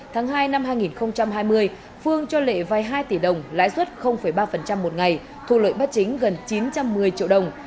tháng hai năm hai nghìn hai mươi phương cho lệ vai hai tỷ đồng lãi suất ba một ngày thu lợi bắt chính gần chín trăm một mươi triệu đồng